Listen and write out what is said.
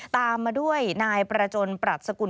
ตามมาด้วยนายประจนปรัชสกุล